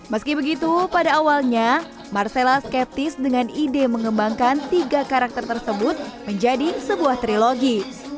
meski begitu pada awalnya marcella skeptis dengan ide mengembangkan tiga karakter tersebut menjadi sebuah trilogi